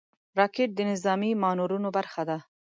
راکټ د نظامي مانورونو برخه ده